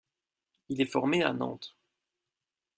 Il est formé à Nantes.